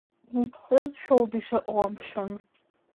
Иԥсызшәоуп ишыҟоу амшын.